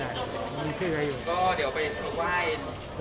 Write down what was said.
ได้ได้ได้มีที่ไหนอยู่ก็เดี๋ยวไปไหว้